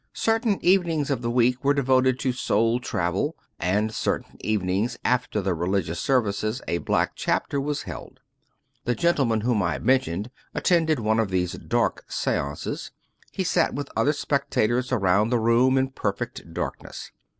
Certain evening^ of the week were devoted to "soul travel," and certain evenings after the religious services a " Black Chapter " was held. The gentleman whom I have mentioned attended one of these dark seances. He sat with other spectators around the room in perfect darkness.